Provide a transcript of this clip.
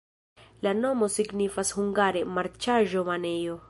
La nomo signifas hungare: marĉaĵo-banejo.